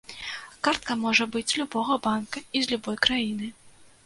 Картка можа быць з любога банка і з любой краіны.